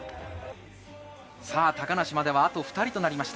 高梨まではあと２人となりました。